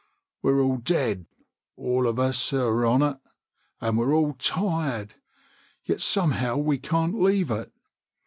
We're all dead, all of us who're on it, and we're all tired, yet somehow we can't leave it.